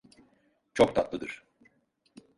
Çok tatlıdır.